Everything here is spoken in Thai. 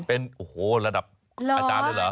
เป็นโอ้โหระดับอาจารย์เลยเหรอ